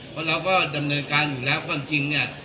เพราะเราก็ดำเนินการอยู่แล้วความจริงเนี่ย